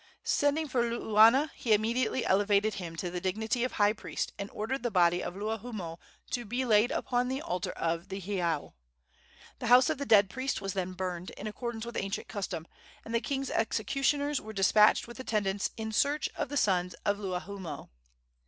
Sending for Luuana, he immediately elevated him to the dignity of high priest, and ordered the body of Luahoomoe to be laid upon the altar of the heiau. The house of the dead priest was then burned, in accordance with ancient custom, and the king's executioners were despatched with attendants in search of the sons of Luahoomoe.